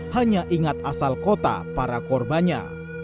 hanya ingat asal kota para korbannya